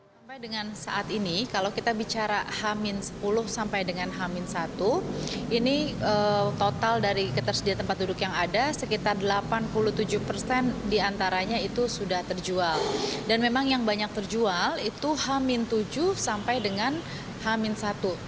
sampai saat ini tiket yang menjadi favorit adalah tiket hamin tujuh sampai dengan hamin satu lebaran